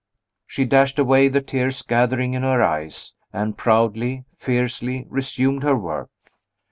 She dashed away the tears gathering in her eyes, and proudly, fiercely, resumed her work.